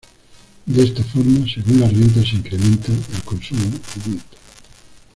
De esta forma, según la renta se incrementa, el consumo aumenta.